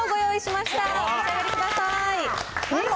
召し上がりください。